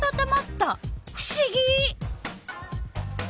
ふしぎ！